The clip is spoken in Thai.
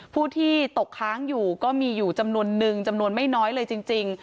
ผู้ที่ตกค้างอยู่ก็มีอยู่จำนวนนึงจำนวนไม่น้อยเลยจริง